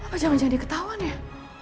apa jauh jauh dia ketahuan ya